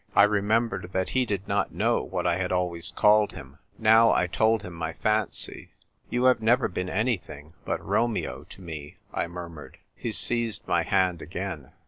I remembered that he did not know what I had always called him. Now I told him my fancy. " You have never been anything but Romeo to me," I murmured. He seized my hand again.